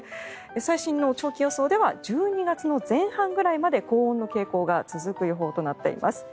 最新の長期予報では１２月の前半ぐらいまで高温の傾向が続く予報となっています。